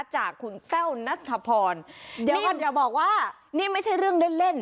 จากคุณแต้วนัทธพรก่อนอย่าบอกว่านี่ไม่ใช่เรื่องเล่นเล่น